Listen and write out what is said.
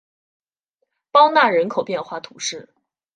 邦讷人口变化图示